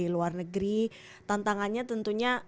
luar negeri tantangannya tentunya